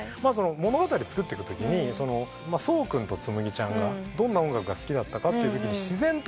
物語作ってくときに想君と紬ちゃんがどんな音楽が好きだったかってときに自然と。